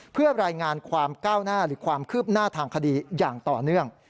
เพื่อรายงานความก้าวหน้าหรือความคืบหน้าทางคดีอย่างต่อเนื่อง